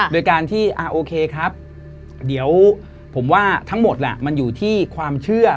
โดยการที่โอเคครับเดี๋ยวผมว่าทั้งหมดมันอยู่ที่ความเชื่อ